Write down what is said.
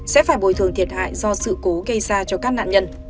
sẽ phải bồi thường thiệt hại do sự cố gây ra cho các nạn nhân